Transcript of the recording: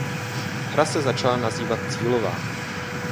Hra se začala nazývat cílová.